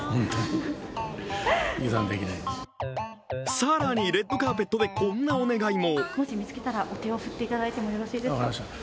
更にレッドカーペットで、こんなお願いも。